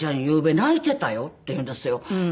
ゆうべ泣いてたよ」って言うんですよ。